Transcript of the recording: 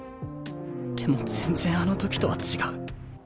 でも全然あの時とは違う。